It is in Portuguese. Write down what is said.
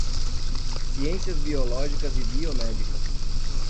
Ciências biológicas e biomédicas